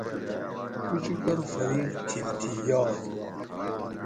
کُچکور فریق تھِل تھی یاۤت